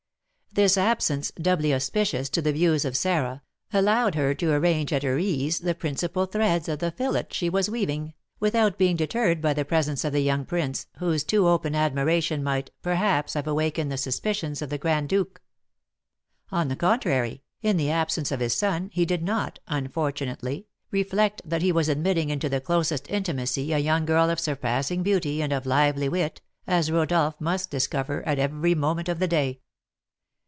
This absence, doubly auspicious to the views of Sarah, allowed her to arrange at her ease the principal threads of the fillet she was weaving, without being deterred by the presence of the young prince, whose too open admiration might, perhaps, have awakened the suspicions of the Grand Duke. On the contrary, in the absence of his son, he did not, unfortunately, reflect that he was admitting into the closest intimacy a young girl of surpassing beauty, and of lively wit, as Rodolph must discover at every moment of the day.